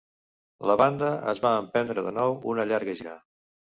La banda es va emprendre de nou una llarga gira.